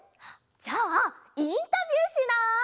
じゃあインタビューしない？